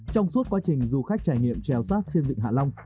trong suốt quá trình du khách trải nghiệm treo sắt trên vịnh hạ long